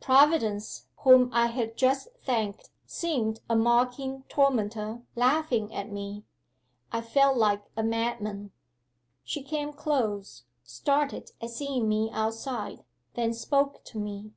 Providence, whom I had just thanked, seemed a mocking tormentor laughing at me. I felt like a madman. 'She came close started at seeing me outside then spoke to me.